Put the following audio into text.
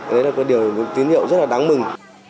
đấy là điều tín hiệu rất là đáng mừng